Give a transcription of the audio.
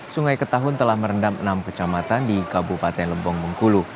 sungai ketahun telah merendam enam kecamatan di kabupaten lebong bengkulu